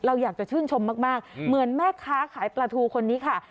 อยากจะชื่นชมมากเหมือนแม่ค้าขายปลาทูคนนี้ค่ะ